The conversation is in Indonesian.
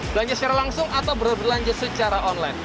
belanja secara langsung atau berbelanja secara online